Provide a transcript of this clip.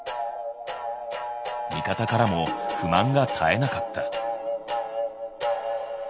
味方からも不満が絶えなかった。